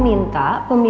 adi dan rifki